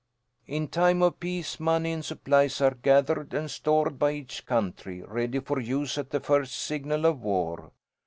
"In time of peace, money and supplies are gathered and stored by each country, ready for use at the first signal of war.